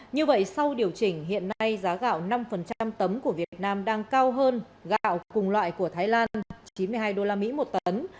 như vậy sau điều chỉnh hiện nay giá gạo năm tấm của việt nam đang cao hơn gạo cùng loại của thái lan chín mươi hai usd một tấn